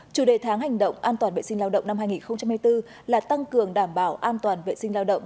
chủ đề tháng hành động an toàn vệ sinh lao động năm hai nghìn hai mươi bốn là tăng cường đảm bảo an toàn vệ sinh lao động